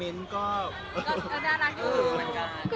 มันเป็นปัญหาจัดการอะไรครับ